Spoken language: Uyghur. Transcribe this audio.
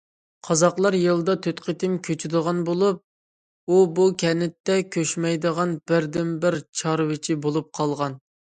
قازاقلار يىلدا تۆت قېتىم كۆچىدىغان بولۇپ، ئۇ بۇ كەنتتە كۆچمەيدىغان بىردىنبىر چارۋىچى بولۇپ قالغان.